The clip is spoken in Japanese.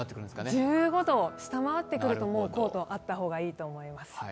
１５度を下回ってくるとコートがあった方がいいと思います。